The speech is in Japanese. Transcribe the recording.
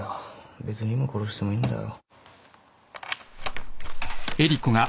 別に今殺してもいいんだよ」